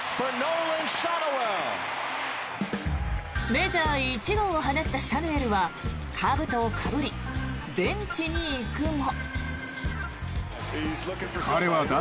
メジャー１号を放ったシャヌエルはかぶとをかぶりベンチに行くも。